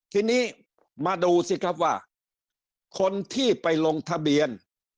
ทีนี้มาดูสิครับว่าคนที่ไปลงทะเบียน